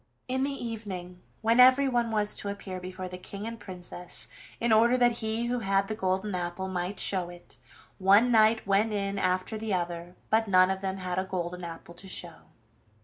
In the evening, when everyone was to appear before the King and Princess, in order that he who had the golden apple might show it, one knight went in after the other, but none of them had a golden apple to show.